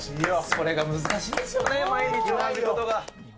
それが難しいんですよね、毎日やることが。